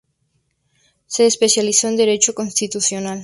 Se especializó en derecho constitucional.